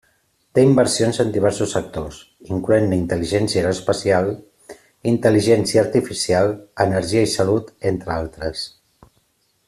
Té inversions en diversos sectors, incloent-ne intel·ligència aeroespacial, intel·ligència artificial, energia i salut, entre altres.